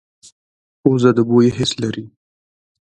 پوزه د بوی حس لري